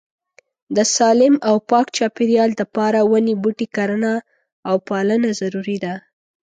د سالیم او پاک چاپيريال د پاره وني بوټي کرنه او پالنه ضروري ده